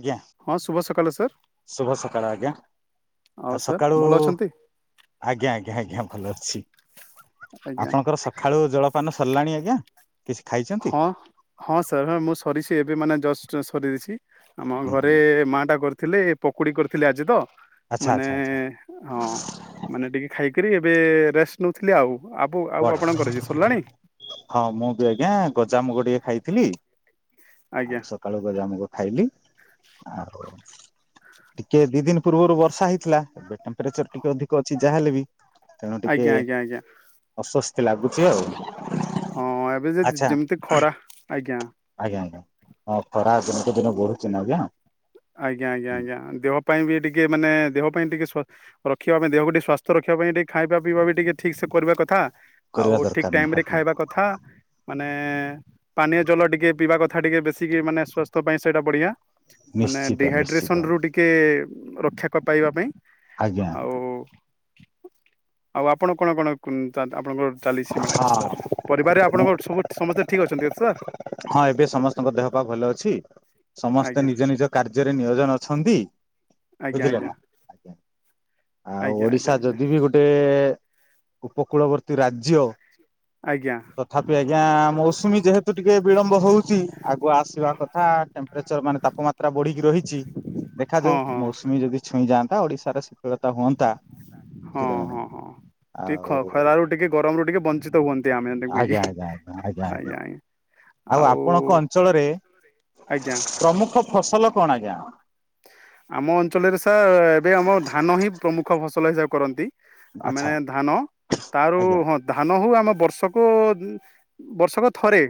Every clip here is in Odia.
ଆଜ୍ଞା ହଁ ଶୁଭ ସକାଳ ସାର୍ [inaudible] ଶୁଭ ସକାଳ ଆଜ୍ଞା ଆଉ ସାର୍ ସକାଳୁ ଭଲ ଅଛନ୍ତି ଆଜ୍ଞା ଆଜ୍ଞା ଆଜ୍ଞା ଭଲ ଅଛି। ଆଜ୍ଞା ଆପଣଙ୍କର ସଖାଳୁ ଜଳପାନ ସରିଲାଣି ଆଜ୍ଞା। କିଛି ଖାଇଛନ୍ତି ହଁ ହଁ ସାର୍ ହ ମୁଁ ସରି ସେ ଏବେ ମାନେ ଜଠ ସାର୍ ସରିଯାଇଛି। ଆମ ହୁଁ ହୁଁ ଘରେ ମା ଟା କରି ଥିଲେ ଏ ପକୁଡ଼ି କରିଥିଲେ ଆଜି ତ। ଆଚ୍ଛା ମାନେ ଆଚ୍ଛା ଆଚ୍ଛା ହଁ ମାନେ ଟିକେ ଖାଇ କିରି ଏବେ ରେଷ୍ଟ ନେଉଥିଲି ଆଉ। ଆଉ ଆଉ ଆପଣଙ୍କର ଯେ ସରିଲାଣି ହ୍ୱାଟ୍ ହଁ ମୁଁ ବି ଆଜ୍ଞା ଗଜାମୁଗ ଟିକେ ଖାଇଥିଲି। [inaudible] ଆଉ ଆଜ୍ଞା ସକାଳୁ ଗଜାମୁଗ ଖାଇଲି। ଆଉ ଟିକେ ଦି ଦିନ ପୂର୍ବରୁ ବର୍ଷା ହେଇଥିଲା ଏବେ ଟେମ୍ପ୍ରେଚର ଟିକେ ଅଧିକ ଅଛି ଯାହା ହେଲେ ବି ତେଣୁ ଟିକେ ଆଜ୍ଞା ଆଜ୍ଞା ଆଜ୍ଞା। ଅସ୍ଵସ୍ତି ଲାଗୁଛି ଆଉ। ହଁ ଏବେ ଯେ ଆଚ୍ଛା ଯେମିତି ଖରା ଆଜ୍ଞା। ଆଜ୍ଞା ଆଜ୍ଞା ହ ଖରା ଦିନକୁ ଦିନ ବଢୁଛି ନା ଆଜ୍ଞା। ଆଜ୍ଞା ଆଜ୍ଞା ଆଜ୍ଞା ଦେହ ପାଇଁ ବି ଟିକେ ମାନେ ଦେହ। ପାଇଁ ଟିକେ ସ୍ଵ ରଖିବା ପାଇଁ ଦେହକୁ ଟିକେ ସ୍ୱାସ୍ଥ୍ୟ ରଖିବା ପାଇଁ ଟିକେ ଖାଇବା ପିଇବା ବି ଟିକେ ଠିକସେ କରିବା କଥା। ଆଉ କରିବା ଠିକ ଦରକାର ଟାଇମ ରେ ନିହାତି ଖାଇବା କଥା। ମାନେ ପାନୀୟ ଜଳ ଟିକେ ପିଇବା କଥା ଟିକେ ବେଶିକି ମାନେ ସ୍ୱାସ୍ଥ୍ୟ ପାଇଁ ସେଇଟା ବଢିଆ। ମାନେ ନିଶ୍ଚିତ ନିଶ୍ଚିତ ଡିହାଇଡ୍ରେସନ ରୁ ଟିକେ ରକ୍ଷା କ ପାଇବା ପାଇଁ ଆଜ୍ଞା ଆଉ। ଆଉ ଆପଣ କଣ କଣ ଉ ଆପଣଙ୍କର ଚାଲିଛି ମେଡ ସାର୍ ହଁ ପରିବାରରେ ଆପଣଙ୍କ ସବୁ ସମସ୍ତେ ଠିକ୍ ଅଛନ୍ତି ତ ସାର୍। ହଁ ଏବେ ସମସ୍ତଙ୍କ ଦେହ ପା ଭଲ ଅଛି ସମସ୍ତେ ଆଜ୍ଞା ନିଜ ନିଜ କାର୍ଯ୍ୟରେ ନିୟୋଜନ ଅଛନ୍ତି। ତି ଆଜ୍ଞା ଆଜ୍ଞା ବୁଝିଲେନା? ଆଉ ଆଜ୍ଞା ଆଜ୍ଞା ଓଡିଶା ଆଜ୍ଞା ଯଦି ବି ଗୋଟେ ଉପକୂଳବର୍ତ୍ତୀ ରାଜ୍ୟ। ଆଜ୍ଞା ତଥାପି ଆଜ୍ଞା ମୌସୁମୀ ଯେହେତୁ ଟିକେ ବିଳମ୍ବ ହଉଛି ଆଗୁଆ ଆସିବା କଥା ଟେମ୍ପ୍ରେଚର ମାନେ ତାପମାତ୍ରା ବଢିକି ରହିଛି ହଁ ଦେଖାଯାଉ ହଁ ମୌସୁମୀ ଯଦି ଛୁଇଁଯାଆନ୍। ଓଡିଶାରେ ଶିଖିବା। ହଁ ହଁ ହଁ ଆଉ ଟିକେ ଖରା ରୁ ଟିକେ ଗରମ ରୁ ଟିକେ ବଞ୍ଚିତ ହୁଅନ୍। ଆଜ୍ଞା ଆଜ୍ଞା ଆଜ୍ଞା ଆଜ୍ଞା ଆଜ୍ଞା ଆଉ ଆପଣଙ୍କ ଅଞ୍ଚଳରେ ଆଜ୍ଞା ପ୍ରମୁଖ ଫସଲ କଣ ଆଜ୍ଞା? ଆମ ଅଞ୍ଚଳରେ ସାର୍ ଏବେ ଆମର ଧାନ ହିଁ ପ୍ରମୁଖ ଫସଲ ହିସାବ କରନ୍ତି। ଆ ଆଚ୍ଛା ମାନେ ଧାନ ତାରୁ ଆଜ୍ଞା ହଁ ଧାନ ହଉ ଆମ ବର୍ଷକୁ ବର୍ଷକ ଥରେ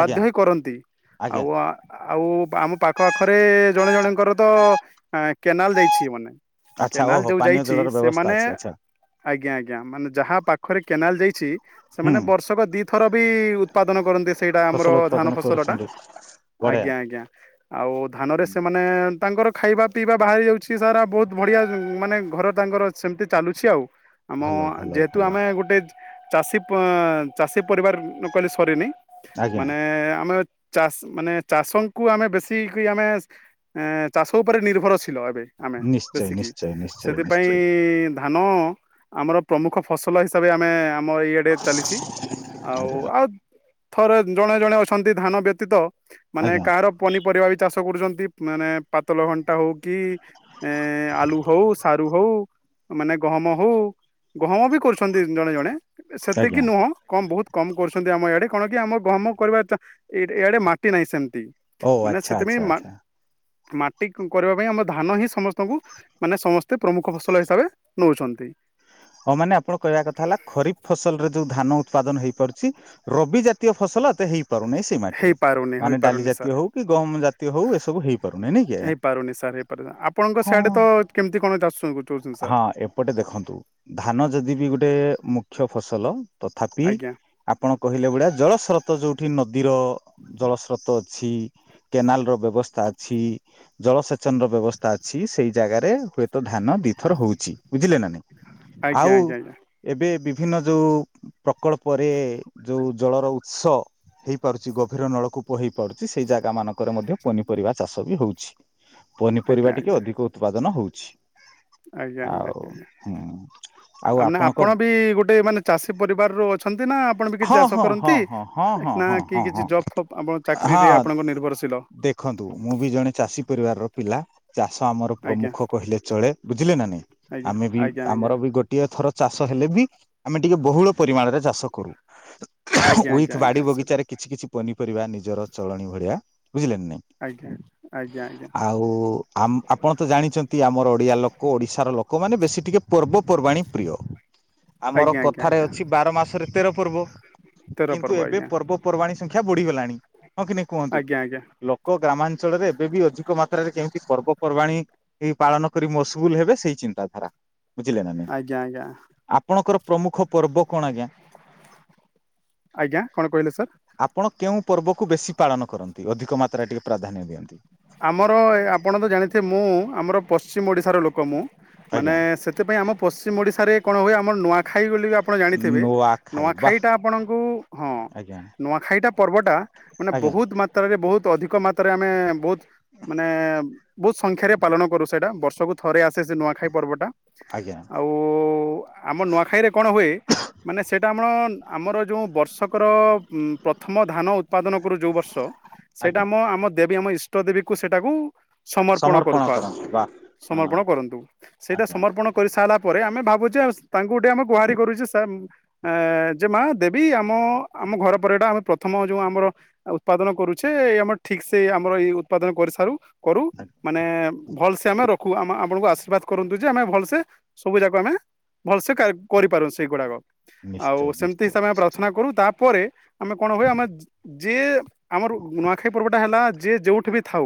ଆଜ୍ଞା ହେଇ କରନ୍ତି ଆଜ୍ଞା। ଆଉ ଆଉ ଆମ ପାଖ ଆଖରେ ଜଣେ ଜଣଙ୍କର ତ କେନାଲ ଦେଇଛି ମାନେ ଆଚ୍ଛା କେନାଲ ଓହୋ ଯୋଉ ପାନୀୟ ଯାଇଛି ଜଳର ବ୍ୟବସ୍ଥା ସେମାନେ ଅଛି ଆଚ୍ଛା ଆଜ୍ଞା ଆଜ୍ଞା ମାନେ ଯାହା ପାଖରେ କେନାଲ ଯାଇଛି ହୁଁ ସେମାନେ ବର୍ଷକ ଦିଥର ବି ଉତ୍ପାଦନ କରନ୍ତି ସେ ସେଇଟା ଆମର ଫସଲ ଧାନ ଉତ୍ପାଦନ ଫସଲଟା କରୁଛନ୍ତି ବଢିଆ। ଆଜ୍ଞା ଆଜ୍ଞା ଆଉ ଧାନରେ ସେମାନେ ତାଙ୍କର ଖାଇବା ପିଇବା ବାହାରି ଯାଉଛି ସାର୍ ବହୁତ ବଢ଼ିଆ ମାନେ ଘର ତାଙ୍କର ସେମିତି ଚାଲୁଛି ଆଉ। ଆମ ଭଲ ଭଲ ଯେହେତୁ ଭଲ ଆମେ ଗୋଟେ ଚାଷୀ ଚାଷୀ ପରିବାର କହିଲେ ସରିନି ଆଜ୍ଞା ମାନେ ଆମେ ଚାଷ ମାନେ ଚାଷଙ୍କୁ ଆମେ ବେଶୀ ଆମେ ଏ ଚାଷ ଉପରେ ନିର୍ଭରଶୀଳ ଏବେ ଆମେ ନିଶ୍ଚୟ ବେଶିକି ନିଶ୍ଚୟ ନିଶ୍ଚୟ ସେଥିପାଇଁ ନିଶ୍ଚୟ ଧାନ ଆମର ପ୍ରମୁଖ ଫସଲ ହିସାବରେ ଆମେ ଆମ ଇଆଡେ ଚାଲିଛି ଆଉ ଆଜ୍ଞା। ଆଉ ଥରେ ଜଣେ ଜଣେ ଅଛନ୍ତି ଧାନ ବ୍ୟତୀତ ମାନେ ଆଜ୍ଞା କାହାର ପନିପରିବା ବି ଚାଷ କରୁଛନ୍ତି ମାନେ ପାତଳ ଘଣ୍ଟା ହଉ କି ଏ ଆଲୁ ହଉ ସାରୁ ହଉ ମାନେ ଗହମ ହଉ ଗହମ ବି କରୁଛନ୍ତି ଜଣେ ଜଣେ ଆଜ୍ଞା ସେତିକି ନୁହଁ କମ ବହୁତ କମ କରୁଛନ୍ତି ଆମ ଇଆଡେ କଣ କି ଆମ ଗହମ କରିବା ଏଇଆଡେ ମାଟି ନାହିଁ ସେମିତି ହଉ ମାନେ ଆଛା ସେଥିପାଇଁ ଆଛା ଆଛା ମାଟି କରିବା ପାଇଁ ଆମ ଧାନ ହିଁ ସମସ୍ତଙ୍କୁ ମାନେ ସମସ୍ତେ ପ୍ରମୁଖ ଫସଲ ହିସାବରେ ନଉଛନ୍ତି। ହଉ ମାନେ ଆପଣ କହିବା କଥା ହେଲା ଖରିଫ ଫସଲରେ ଯୋଉ ଧାନ ଉତ୍ପାଦନ ହେଇପାରୁଛି ରବି ଜାତୀୟ ଫସଲ ଏତେ ହେଇ ପାରୁନେଇ ସେଇ ମାଟିରେ ହେଇପାରୁନି ମାନେ ଡାଲି ହେଇପାରୁନି ଜାତୀୟ ସାର୍ ହଉ କି ଗହମ ଜାତୀୟ ହଉ ଏସବୁ ହେଇପାରୁନାହିଁ ନାଇଁ କି ଆଜ୍ଞା ହେଇପାରୁନି ସାର୍ ହେଇପାରୁନି ଆପଣଙ୍କ ସିଆଡେ ହଁ ତ କେମିତି କଣ ଚାଷ କରୁଛନ୍ତି ସାର୍ ହଁ ଏପଟେ ଦେଖନ୍ତୁ ଯଦି ବି ଗୋଟେ ମୁଖ୍ୟ ଫସଲ ତଥାପି ଆଜ୍ଞା ଆପଣ କହିଲେ ଭଳିଆ ଜଳସ୍ରୋତ ତ ଯୋଉଠି ନଦୀର ଜଳସ୍ରୋତ ଅଛି କେନାଲ ର ବ୍ୟବସ୍ଥା ଅଛି ଜଳସେଚନ ର ବ୍ୟବସ୍ଥା ଅଛି ସେଇ ଜାଗାରେ ହୁଏତ ଧାନ ଦିଥର ହଉଛି ବୁଝିଲେ ନା ନାଇଁ। ଆଜ୍ଞା ଆଉ ଆଜ୍ଞା ଏବେ ଏଵି ବିଭିନ୍ନ ଯୋଉ ପ୍ରକଳ୍ପରେ ଯୋଉ ଜଳର ଉତ୍ସ ହେଇପାରୁଛି ଗଭୀର ନଳକୂପ ହେଇପାରୁଛି ସେଇ ଜାଗା ମାନଙ୍କରେ ମଧ୍ୟ ପନିପରିବା ଚାଷ ବି ହଉଛି। ଆଜ୍ଞା ପନିପରିବା ଆଜ୍ଞା ଟିକେ ଆଜ୍ଞା ଅଧିକ ଉତ୍ପାଦନ ହଉ ଛି ଆଉ ହୁଁ ଆଉ ଆ ମାନେ ଆପଣଙ୍କ ଆପଣ ବି ଗୋଟେ ମାନେ ଚାଷୀ ପରିବାରରୁ ଅଛନ୍ତି ନା? ଆପଣ ବି କିଛି ହଁ ଚାଷ ହଁ ହଁ କରନ୍ତି ହଁ ହଁ ହଁ ନା ହଁ କି ହଁ ହଁ କିଛି ଜବ୍ ଫବ ଚାକିରି ରେ ହଁ ଆପଣଙ୍କ ନିର୍ଭରଶୀଳ? ଦେଖନ୍ତୁ ମୁଁ ବି ଜଣେ ଚାଷୀ ପରିବାରର ପିଲା ଚାଷ ଆମର ଆଜ୍ଞା ପ୍ରମୁଖ କହିଲେ ଚଳେ, ବୁଝିଲେ ନା ନାଇଁ ଆଜ୍ଞା। ଆମେ ବି ଆଜ୍ଞା ଆଜ୍ଞା ଆମର ବି ଏଥର ଚାଷ ହେଲେ ବି ଆମେ ଟିକେ ବହୁଳ ପରିମାଣରେ ଚାଷ କରୁ। ଆଜ୍ଞା ଆଜ୍ଞା ଉଇଥ୍ ବାଡି ଆଜ୍ଞା ସେଟା ବଗିଚାରେ କିଛି କିଛି ପନିପରିବା ନିଜର ଚଳଣି ଭଳିଆ, ବୁଝିଲେ ନା ନାଇଁ ଆଜ୍ଞା ଆଜ୍ଞା ଆଜ୍ଞା ଆଉ ଆମ ଆପଣ ତ ଜାଣିଚନ୍ତି ଆମର ଓଡିଆ ଲୋକ ଓଡିଶାର ଲୋକ ମାନେ ବେଶୀ ଟିକେ ପର୍ବ ପର୍ବାଣୀ ପ୍ରିୟ। ଆମର ଆଜ୍ଞା ଆଜ୍ଞା କଥାରେ ଆଜ୍ଞା ଅଛି ବାର ମାସରେ ତେର ପର୍ବ ତେର କିନ୍ତୁ ପର୍ବ ଏବେ ଆଜ୍ଞା ପର୍ବପର୍ବାଣୀ ସ ଖ୍ୟା ବୁଡିଗଲାଣି। ହଁ କି ନାହିଁ କୁହନ୍ତୁ, ଆଜ୍ଞା ଆଜ୍ଞା ଲୋକ ଗ୍ରାମାଞ୍ଚଳରେ ଏବେ ବି ଅଧିକ ମାତ୍ରାରେ କେମିତି ପର୍ବପର୍ବାଣୀ ଏଇ ପାଳନ କରି ମସଗୁଲ ହେବେ ସେଇ ଚିନ୍ତାଧାରା ବୁ ବୁଝିଲେନା ନାଇଁ, ଆଜ୍ଞା ଆଜ୍ଞା ଆପଣଙ୍କର ପ୍ରମୁଖ ପର୍ବ କଣ ଆଜ୍ଞା? ଆଜ୍ଞା କଣ କହିଲେ ସାର୍? ପର୍ବକୁୁ ବେଶୀ ପାଳନ କରନ୍ତି ଅଧିକ ମାତ୍ରା ଟିକେ ପ୍ରାଧାନ୍ୟ ଦିଅନ୍ତି। ଆମର ଏ ଆପଣ ତ ଜାଣିଥିବେ ମୁଁ ଆମର ପଶ୍ଚିମ ଓଡିଶାର ଲୋକ ମୁଁ। ମାନେ ଆଜ୍ଞା ସେଥିପାଇଁ ଆମ ପଶ୍ଚିମ ଓଡିଶାରେ କଣ ହୁଏ ଆମର ନୂଆଖା ଖାଇ ବୋଲିବି ଆପଣ ଜାଣିଥିବେ। ନୂଆଖାଇ ଟା ଆପଣଙ୍କୁ ହଁ ଆଜ୍ଞା ନୂଆଖାଇଟା ପର୍ବଟା ମାନେ ଆଜ୍ଞା ବହୁତ ମାତ୍ରାରେ ବହୁତ ତ ଅଧିକ ମାତ୍ରାରେ ଆମେ ବହୁତ ମାନେ ବହୁତ ସଂଖ୍ୟାରେ ପାଳନ କରୁ ସେଇଟା ବର୍ଷକୁ ଥରେ ଆସେ ସେ ନୂଆଖାଇ ପର୍ବଟା। ଆଜ୍ଞା ଆଉ ଆମ ନୂଆଖାଇରେ କଣ ହୁଏ, ମାନେ ସେଇଟା ଆମଣ ଆମର ଯୋଉଁ ବର୍ଷକର ଉଁ, ପ୍ରଥମ ଧାନ ଉ ଉତ୍ପାଦନ କରୁ ଯୋଉ ବର୍ଷ ସେଇଟା ଆଜ୍ଞା ଆମ ଆମ ଦେବି ଆମ ଇଷ ଟ ଦେବୀକୁ ସେଟାକୁ ସମର୍ପଣ କରୁ କରନ୍ତି ବା ହଁ ପା-ସମର୍ପଣ କରନ୍ତୁ ସେଇଟା ଆଜ୍ଞା ସମର୍ପଣ କରିସାଇଲା ପରେ ଆମେ ଭାବୁଚେ, ଅସ୍- ତାଙ୍କୁ ଟିକେ ଆମେ ଗୁହାରି କରୁଚି ସେମ ଏଁ ଯେ ମା ଦେବୀ ଆମ ଆମ ଘର ପରେ ଏଟା ଆମ ପ୍ରଥମ ଯୋଉ ଆମର ଉତ୍ପାଦନ କରୁଛେ ଏଇ ଆମର ଠିକ ସେ ଏଇ ଆମର ଏଇ ଉତ୍ପାଦନ କରିସାରୁ। କରୁ ଆଜ୍ଞା। ମାନେ ଭଲସେ ଆମେ ରଖୁ, ଆମ ଆପଣଙ୍କୁ ଆଶୀର୍ବାଦ କରନ୍ତୁ ଯେ ଆମେ ଭଲସେ ସବୁ ଯାକ ଆମେ ଭଲସେ କା-କରିପାରୁୁ ସେଇଗୁଡାକ ଆଉ ନିଶ୍ଚୟ ସେମିତି ନିଶ୍ଚୟ ହିସାବେ ଆମେ ନିଶ୍ଚୟ ପ୍ରାର୍ଥନା କରୁ। ତାପରେ ଆମେ କଣ ହୁଏ ଆମେ ଯି ଯିଏ ଆମର ନୂଆଖାଇ ପର୍ବଟା ହେଲା ଯିଏ ଯୋଉଠି ବି ଥାଉ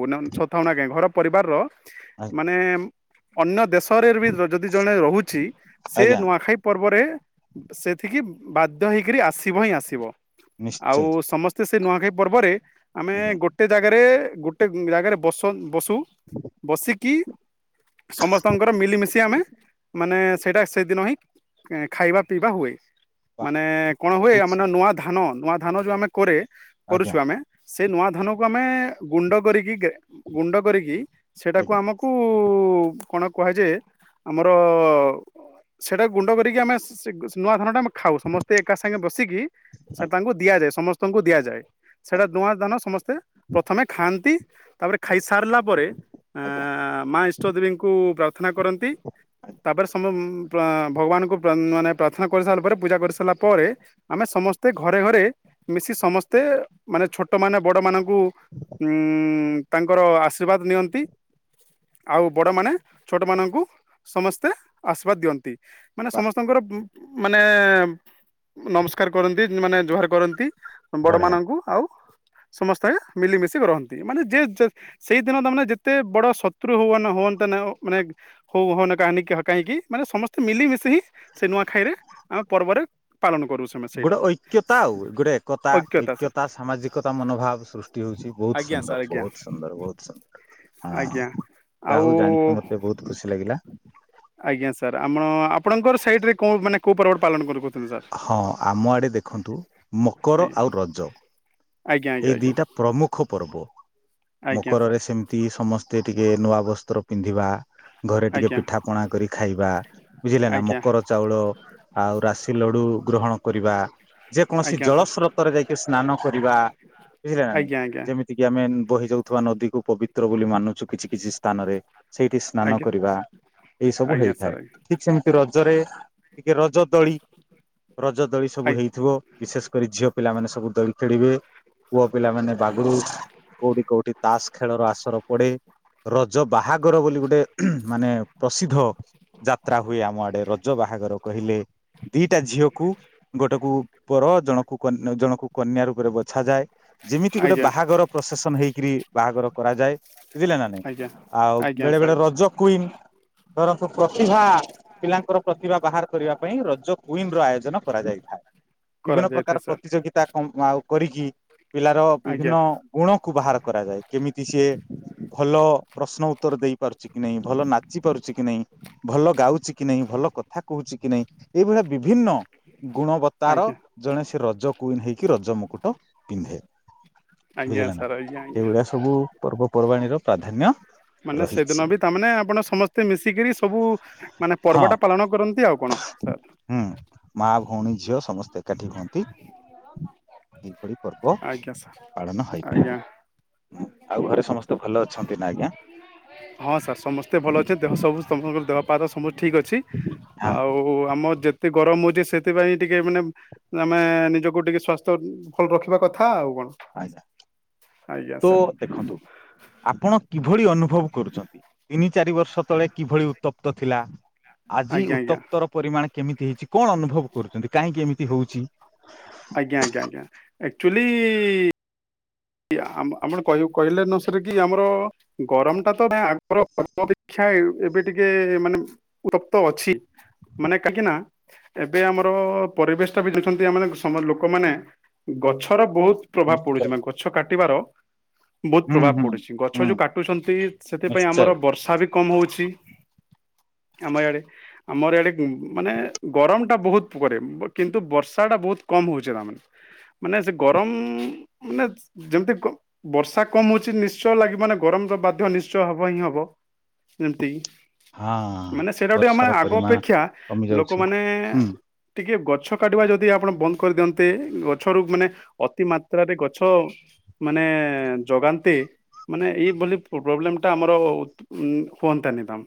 ଥାଉ ନା କାଁ ଘର ପରିବାରର ଆଜ୍ଞା ମାନେ ଅନ୍ୟ ଦେଶ ସହରରେ ବି ଯଦି ଜଣେ ରହୁଛି। ସେ ଆଜ୍ଞା ନୂଆଖାଇ ପର୍ବରେ ସେଠିକି ବାଧ୍ୟ ହେଇକରି ଆସିବ ହିଁ ଆସିବ। ଆଉ ନିଶ୍ଚୟ ସମସ୍ତେ ସେ ନୁଆଖେଇ ପର୍ବରେ ଆମେ ଆଜ୍ଞା ଗୋଟେ ଜାଗାରେ ଗୁଟ ଗ ଜାଗାରେ ବ ବ [inaudible] ବସିକି ସମସ୍ତଙ୍କର ମିଲିମିଶି ଆମେ ମାନେ ସେଇଟା ସେଦିନ ହିଁ ଖାଇବା ପିଇବା ହୁଏ। ବା ମାନେ କଣ ହୁଏ ବହୁତ ମାନେ ସୁନ୍ଦର। ନୂଆ ଧାନନ ନୂଆ ଧାନ ଯେଉଁ ଆମେ କରେ କରୁଛୁ ଆଜ୍ଞା ଆମେ ସେ ନୂଆ ଧାନକୁ ଆମେ ଗୁଣ୍ଡ କରିକି ଗୁଣ୍ଡ କରିକି ସେଟାକୁ ଆଜ୍ଞା ଆମକୁ କଣ କୁହାଯାଏ। ଆମର ସେଟା ଗୁଣ୍ଡ କରିକି ଆମେ ନୂଆ ଧାନଟା ଖାଉ ସମସ୍ତେ ଏକା ସାଙ୍ଗେ ବସିକି ସୋ ଆଜ୍ଞା ତାଙ୍କୁ ଦିଆଯାଏ ସମସ୍ତେ ତାଙ୍କୁ ଦିଆଯାଏ। ସେଇଟା ନୂଆ ଧାନ ସମସ୍ତେ ପ୍ରଥମେ ଖାଆନ୍ତି। ତାପରେ ଆଜ୍ଞା ଖାଇସାରିଲା ପରେ ଅ ଆଜ୍ଞା ମା ଇଷ୍ଟ ଦେବୀଙ୍କୁ ଥନା କରନ୍ତି। ଆଜ୍ଞା। ତାପରେ ଭଗବାନଙ୍କୁାନେ ପ୍ରାର୍ଥନା କରିସାରିଲା ପରେ ପୂଜା କରିସାରିଲା ପରେ ଆମେ ସମସ୍ତେ ଘରେ ଘରେ ମିଶି ସମସ୍ତେ ମାନେ ଛୋଟ ମାନେ ବଡ଼ମାନ ଆୁ ଉ ତାଙ୍କର ଆଶୀର୍ବାଦ ନିଅନ୍ତି। ଆଉ ବଡ଼ମାନେ ଛୋଟମାନଙ୍କୁ ସମସ୍ତେ ଆଶୀର୍ବାଦ ଦିଅନ୍ତି। ମାନେ ବା ସମସ୍ତଙ୍କର ମାନେ ନମସ୍କାର କରନ୍ତି ମାନେ ଜୁଆହାର କରନ୍ତି। ବଡ ବଢିଆ। ମାନଙ୍କୁ ଆଉ ସମସ୍ତେ ମିଲିମିଶି ରହନ୍ତି। ମାନେ ଯେ ସେଇଦିନ ତ ମାନେ ଯେତେ ବଡ ଶତ୍ରୁ ହୁଅ ହୁଅନ୍ତତା ନା ମାନେ ହଉ ହଅନ କାହିଣୀ ହକହିଁକି ମାନେ ସମସ୍ତେ ମିିଲିମିଶି ହିଁ ସେ ନୂଆଖାଇରେ ଆମେ ପର୍ବରେ ପାଳନ କରୁ ସେମେ ଗୋଟେ ସେଇଟା। ଐକ୍ୟତା ଆଉ ଗୋଟେ ଏକତା ଐକ୍ୟତା ସାମାଜିକତା ମନୋଭାବ ସୃଷ୍ଟି ହଉଛି ବହୁତ ଆଜ୍ଞା ସୁନ୍ଦର। ସାର୍ ଆଜ୍ଞା ବହୁତ ସୁନ୍ଦର ବହୁତ ସୁନ୍ଦର ହଁ ଆଜ୍ଞା ଯାହା ଆଉ ହଉ ଜାଣିକି ମତେ ବହୁତ ଖୁସି ଲାଗିଲା। ଆଜ୍ଞା ସାର୍ ଆପଣ ଆପଣଙ୍କର ସାଇଟରେ କେଉଁ ମାନେ କେଉଁ ପର୍ବରେ ପାଳନ କର କଛନ୍ତି। ହଁ ଆମ ଆଡେ ଦେଖନ୍ତୁ ମକର ଆଜ୍ଞା ଆଉ ରଜ ଆଜ୍ଞା ଆଜ୍ଞା ଏଇ ଆଜ୍ଞା ଦିଇଟା ପ୍ରମୁଖ ପର୍ବ। ଆଜ୍ଞା ସାର୍ ମକରରେ ସେମିତି ସମ ସ୍ତେ ଟିକେ ନୂଆ ବସ୍ତ୍ର ପିନ୍ଧିବା। ଘରେ ଟିକେ ଆଜ୍ଞା ପିଠା ପଣା କରି ଖାଇବା ବୁଝିଲେ ନା। ଆଜ୍ଞା ମକର ଚାଉଳ ଆଉ ରାଶି ଲଡୁ ଗ୍ରହଣ କରିବା। ଯେକୌଣସି ଆଜ୍ଞା ସାର୍। ଜଳସ୍ରୋତରେ ଯାଇକି ସ୍ନାନ କରିବା। ବୁଝିଲେ ନା ନାଇଁ ଆଜ୍ଞା ଯେମିତି କି ଆମେ ଉଁ ବହି ଯାଉଥିବା ନଦୀକୁ ପବି ଚିତ୍ର ବୋଲି ମାନୁଛୁ କିଛି କିଛି ସ୍ଥାନରେ। ସେଇଠି ସ୍ନାନ ଆଜ୍ଞା କରିବା ଏଇ ଆଜ୍ଞା ସବୁ ଆଜ୍ଞା ହେଇଥାଏ। ସାର୍ ଠିକ ସେମିତି ରଜରେ ଟିକେ ରଜ ଦୋଳି ରଜ ଦୋଳି ସବୁ ହେଇଥିବ ବିଶେଷ କରି ଝିଅ ପିଲାମାନେ ସବୁ ଦୋଳି ଖେଳିବେ। ପୁଅ ପିଲାମାନେ ବାଘରୁ କୋଉଠି କୋଉଠି ତାସ ଖେଳର ଆସ ତ୍ର ପଡେ ରଜ ଯ ବାହାଘର ବୋଲି ଗୋଟେ ମାନେ ପସିଦ୍ଧ ଯାତ୍ରା ହୁଏ ଆମ ଆଡେ ରଜ ବାହାଘର କହିଲେ ଦିଟା ଝିଅକୁ ଗୋଟେକୁ ପର ଜଣକୁନ୍ୟ ଜଣକୁ କନ୍ୟା ରୂପରେ ବ ସାଜାଏ ଯେମିତି ଗୋଟେ ଆଜ୍ଞା ଆଜ୍ଞା ବାହାଘର ପ୍ରଶାସନ ହେଇକି କିରି ବାହାଘର କରାଯାଏ। ବୁଝିଲେ ନା ନାଇଁ। ଆଜ୍ଞା ଆଉ ଆଜ୍ଞା ବେଳେ ବେଳେ ସାର୍। ରଜ କୁଇନ ଧରନ୍ତୁ ପ୍ରତିଭା ପିଲାଙ୍କର ପ୍ରତିଭା ବାହାର କରିବା ପାଇଁ ରଜ କୁଇନ ର ଆୟୋଜନ କରାଯାଇଥାଏ। ବିଭିନ୍ନ ପ୍ରକାର କରାଯାଇଥାଏ ସାର୍ ପ୍ରତିଯୋଗିତା ଅମ୍ ଆଉ କରିକି ପିଲାର ଆଜ୍ଞା ବିଭିନ୍ନ ଗୁଣକୁ ବାହାର କରାଯାଏ। କେମିତି ସିଏ ଭଲ ପ୍ରଶ୍ନ ଉତ୍ତର ଦେଇ ପାରୁଚି କି ନାହିଁ, ଭଲ ନାଚି ପାରୁଚି କି ନାହିଁ ଭଲ ଗାଉଚି କି ନାହିଁ ଭଲ କଥା କହୁଚି କି ନାହିଁ ଏଇଭଳିଆ ବିଭିନ୍ନ ଗୁଣବତାର ଆଜ୍ଞା ଜଣେ ସେ ରଜ କୁଇନ ହେଇକି ରଜ ମୁକୁଟ ତ ପିନ୍ଧେ। ଆଜ୍ଞା ବୁଝିଲେ ନା ସାର୍ ଆଜ୍ଞା ଆଜ୍ଞା। ଏଇଭଳିଆ ସବୁ ପର୍ବପର୍ବାଣୀର ପ୍ରାଧାନ୍ୟ ମାନେ ରହିଛି ସେଦିନ ବି ତାମାନେ ଆପଣ ସମସ୍ତେ ମିଶିକିରି ସବୁ ମାନେ ହଁ ପର୍ବଟା ପାଳନ କରନ୍ତି ଆଉ କଣ ସାର୍। ହୁଁ ମା ଭଉଣୀ ଝିଅ ସମସ୍ତେ ଏକାଠି ହୁଅନ୍ତି ଏଇଭଳି ପର୍ବ ଆଜ୍ଞା ସାର୍ ପାଳନ ଆଜ୍ଞା ହେଇଥାଏ। ହୁଁ ଆଉ ଘରେ ସମସ୍ତେ ଭଲ ଅଛନ୍ତି ନା। ଆଜ୍ଞା ହଁ ସାର୍ ସମସ୍ତେ ଭଲ ଅଛନ୍ତି ଦେହ ସବୁ ସମସ୍ତଙ୍କର ଦେହ ପାଦ ସମୁ ଠିକ୍ ଅଛି ହଁ ଆଉ ଆମ ଯେତେ ଗରମ ହଉଚି ସେଥିପାଇଁ ଟିକେ ମାନେ ଆମେ ନିଜକୁ ଟିକେ ସ୍ଵାସ୍ଥ୍ୟ ଭଲ ରଖିବା କଥା ଆଉ କଣ। ଆଜ୍ଞା ଆଜ୍ଞା ତ ସାର୍। ଦେଖନ୍ତୁ ଆପଣ। କିଭଳି ଅନୁଭବ କରୁଛନ୍ତି ତିନି ଚାରି ବର୍ଷ ତଳେ କିଭଳି ଉତ୍ତପ୍ତ ଥିଲା। ଆଜି ଆଜ୍ଞା ଆଜ୍ଞା ଉତ୍ତପ୍ତର ପରିମାଣ। କେମିତି ହେଇଛି? କଣ ଅନୁଭବ କରୁଛନ୍ତି କାହିଁକି ଏମିତି? ହଉଛି। ଆଜ୍ଞା ଆଜ୍ଞା ଆଜ୍ଞା ଆକ୍ଚୁଆଲି। ଆମ ଆମର କହ କହିଲେ ନ ସରେ କି ଆମର ଗରମ ଟା ତ ଆଗର ଅପେକ୍ଷା ଏବେ ଟିକେ ମାନେ ଉତ୍ତପ୍ତ ଅଛି ମାନେ କାହିଁକି ନା ଏବେ ଆମର ପରିବେଶ ଟା ବି ଯଉଛନ୍ତି ଆମେ ଲୋକମାନେ ଗଛର। ବହୁତ ପ୍ରଭାବ ନିଶ୍ଚୟ ପଡୁଛି ମାଙ୍କର। କାଟିବାର ବହୁତ ହୁଁ ପ୍ରଭାବ ହୁଁ ପଡୁଛି ଗଛ ହୁଁ ଯୋଉ କାଟୁଛନ୍ତି ସେଥିପାଇଁ ନିଶ୍ଚୟ। ଆମର ବର୍ଷା ବି କମ ହଉଛି ଆମ ଇଆଡେ। ଆମର ଏଇଡ଼େ ମାନେ ଗରମଟା ବହୁତ କରେ କିନ୍ତୁ ବର୍ଷାଟା ବହୁତ କମ୍ ହେଉଛେ ତାମାନେ ମାନେ ସେ ଗରମ ମାନେ। ଯେମିତି ବର୍ଷା କମ ହଉଛି ନିଶ୍ଚୟ ଲାଗିବ ମାନେ ଗରମ ତ ବାଧ୍ୟ ନିଶ୍ଚୟ ହବ ହିଁ ହବ ଯେମିତି। ହଁ। ମାନେ ସେଇଟା ଗୋଟେ ଆମେ ବର୍ଷାର ଆଗ ପରିମାଣ ଅପେକ୍ଷା କମି ଯାଉଛି ଲୋକମାନେ ହୁଁ ଟିକେ ଗ। ଗଛ କାଟିବା ଯଦି ଆପଣ ବନ୍ଦ କରିଦିଅନ୍ତେ ଗଛରୁ ମାନେ ଅତି ମାତ୍ରାରେ ଗଛ। ମାନେ ଜଗାନନ୍ତେ ମାନେ ଏଇଭଳି ପ୍ରୋବ୍ଲେମ ଟା ଆମର ହୁଅନ୍ତାନି ଦ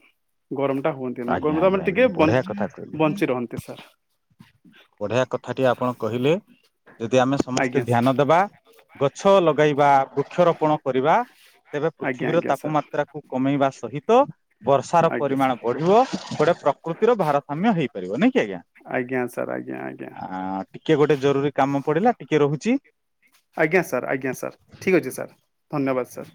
ଗରମ। ହୁଅନ୍ତି ନା ଆଜ୍ଞା ଗମ ଆଜ୍ଞା ମାନେ ଆଜ୍ଞା ଟିକେ ବଢିଆ ବଞ୍ଚି କଥା କହିଲେ ବଞ୍ଚି ରହନ୍ତି ସାର୍। ବଢିଆ କଥାଟି ଆପଣ କହିଲେ ଯଦି ଆମେ ସମସ୍ତେ ଆଜ୍ଞା ସାର୍ ଧ୍ୟାନ ଦବା ଗଛ ଲଗ। ଲଗେଇବା ବୃକ୍ଷରୋପଣ କରିବା। ତେବେ ଆଜ୍ଞା ପୃଥିବୀର ଆଜ୍ଞା ସାର୍ ତାପମାତ୍ରାକୁ କମେଇବା ସହିତ। ତ ବର୍ଷାର ଆଜ୍ଞା ପରିମାଣ ସାର୍ ବଢିବ ଗୋଟେ ପ୍ରକୃତିର ଭାରସାମ୍ୟ ହେଇପ। ପାରିବା ନାହିଁ। ଆଜ୍ଞା ସ ଆଜ୍ଞା ଆଜ୍ଞା ଟିକେ ଗୋଟେ ଜରୁରୀ କାମ ପଡିଲା ଟିକେ ରହୁଛି। ଆଜ୍ଞା ସାର୍ ଆଜ୍ଞା ସାର୍ ଠିକ ଅଛି ସାର୍ ଧନ୍ୟବାଦ ସାର୍।